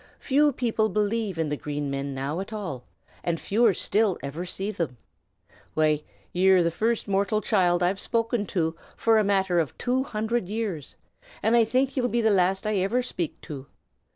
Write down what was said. Few people believe in the Green Men now at all, and fewer still ever see them. Why, ye are the first mortal child I've spoken to for a matter of two hundred years, and I think ye'll be the last I ever speak to.